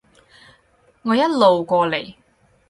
我一路過嚟